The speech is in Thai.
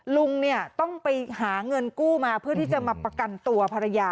ลุงเนี่ยต้องไปหาเงินกู้มาเพื่อที่จะมาประกันตัวภรรยา